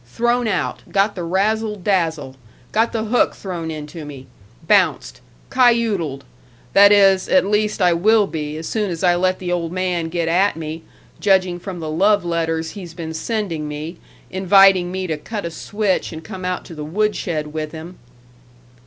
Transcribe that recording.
Thrown out. Got the razzle dazzle. Got the hook thrown into me. Bounced. Kiyudeled. That is, at least, I will be, as soon as I let the old man get at me, judging from the love letters he's been sending me, inviting me to cut a switch and come out to the wood shed with him."